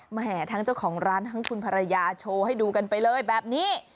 แหมทั้งเจ้าของร้านทั้งคุณภรรยาโชว์ให้ดูกันไปเลยแบบนี้